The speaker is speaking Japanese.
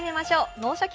「脳シャキ！